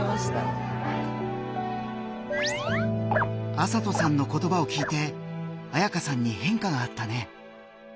麻斗さんの言葉を聞いてあやかさんに変化があったね。